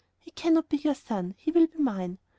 He cannot be your son; he will be mine.